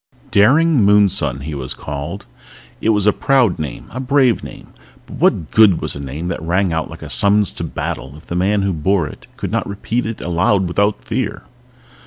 Daring Moonson, he was called. It was a proud name, a brave name. But what good was a name that rang out like a summons to battle if the man who bore it could not repeat it aloud without fear?